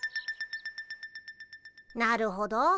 なるほど。